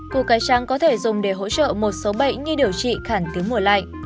củ cải trắng có thể dùng để hỗ trợ một số bệnh như điều trị khẳng tướng mùa lạnh